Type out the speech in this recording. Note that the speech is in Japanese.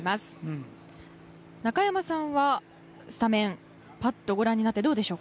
中山さんはスタメンをパッとご覧になってどうでしょう？